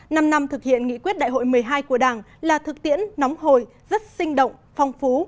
năm năm thực hiện nghị quyết đại hội một mươi hai của đảng là thực tiễn nóng hồi rất sinh động phong phú